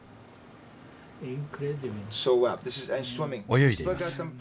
泳いでいます。